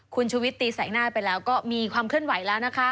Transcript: คุณชุวิตตีแสงหน้าไปแล้วก็มีความเคลื่อนไหวแล้วนะคะ